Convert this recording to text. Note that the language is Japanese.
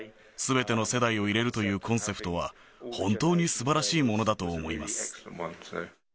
すべての世代を入れるというコンセプトは、本当にすばらしいものだと思います。